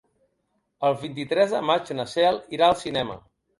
El vint-i-tres de maig na Cel irà al cinema.